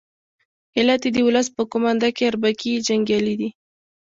علت یې د ولس په قومانده کې اربکي جنګیالي دي.